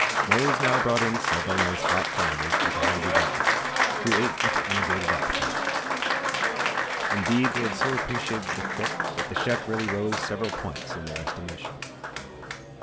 Mose now brought in several nice hot flounders for the hungry boys, who ate with unabated appetites. Indeed, they had so appreciated the trick that the chef really rose several points in their estimation.